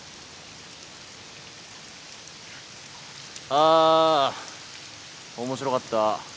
ああー面白かった。